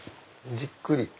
じっくり。